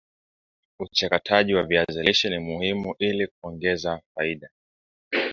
uchakataji wa viazi lishe ni muhimu ili kuongeza faida